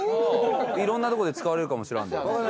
いろんなとこで使われるかもしらんで。